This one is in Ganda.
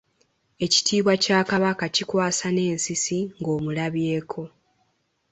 Ekitiibwa kya Kabaka kikwasa n’ensisi ng’omulabyeko.